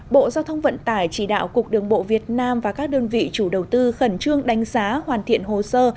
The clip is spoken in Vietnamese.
bộ giao thông vận tải chỉ đạo cục đường bộ việt nam và các đơn vị chủ đầu tư khẩn trương đánh giá hoàn thiện hồ sơ